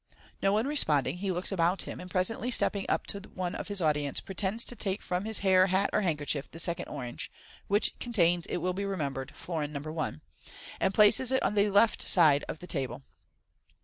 No one responding, he looks about him, and presently stepping up to one of his audience, pretends to take from his hair, hat, or handkerchief this second orange (which contains, it will be remembered, florin No. 1), and places it on the left hand side of the table.